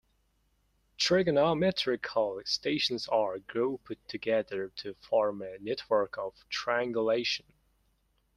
Trigonometrical stations are grouped together to form a network of triangulation.